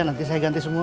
nanti saya ganti semua